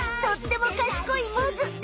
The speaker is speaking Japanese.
とってもかしこいモズ。